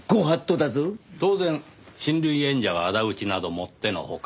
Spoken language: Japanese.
当然親類縁者が仇討ちなどもっての外。